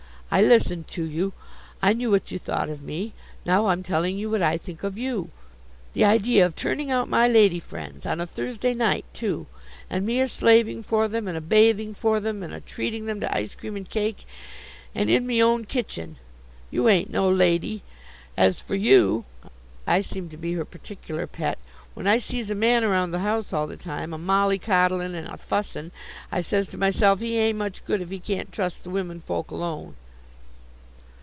"I listened to you. I knew what you thought of me. Now I'm telling you what I think of you. The idea of turning out my lady friends, on a Thursday night, too! And me a slaving for them, and a bathing for them, and a treating them to ice cream and cake, and in me own kitchen. You ain't no lady. As for you" I seemed to be her particular pet "when I sees a man around the house all the time, a molly coddling and a fussing, I says to myself, he ain't much good if he can't trust the women folk alone."